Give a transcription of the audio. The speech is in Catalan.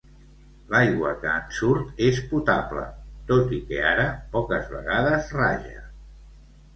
L'aigua que en surt és potable, tot i que ara poques vegades raja.